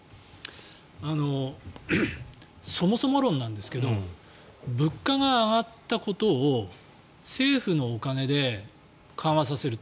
そもそも論なんですけど物価が上がったことを政府のお金で緩和させる。